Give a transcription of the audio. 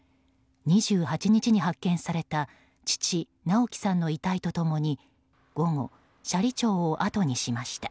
２８日に発見された父・直幹さんの遺体と共に午後、斜里町をあとにしました。